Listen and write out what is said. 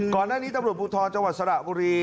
ก่อนหน้านี้ตำรวจภูทรจังหวัดสระบุรี